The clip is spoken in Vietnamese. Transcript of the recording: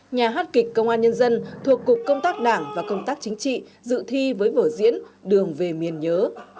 nhà hát kịch công an nhân dân thuộc cục công tác đảng và công tác chính trị dự thi với vở diễn đường về miền nhớ